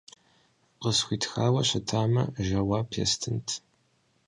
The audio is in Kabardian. Къысхуитхауэ щытамэ, жэуап естынт.